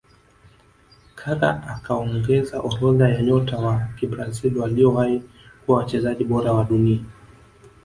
Kaka akaongeza orodha ya nyota wa kibrazil waliowahi kuwa wachezaji bora wa duni